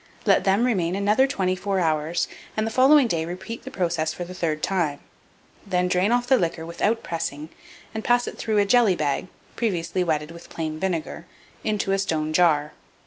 Let them remain another 24 hours, and the following day repeat the process for the third time; then drain off the liquor without pressing, and pass it through a jelly bag (previously wetted with plain vinegar), into a stone jar.